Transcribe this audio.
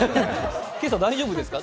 今朝、大丈夫ですか？